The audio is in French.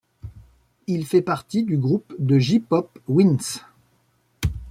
Il fait partie du groupe de J-pop w-inds.